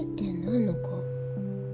あの子。